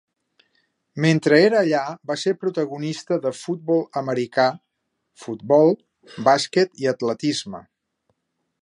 Mentre era allà, va ser protagonista de futbol americà, futbol, bàsquet i atletisme.